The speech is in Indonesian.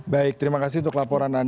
baik terima kasih untuk laporan anda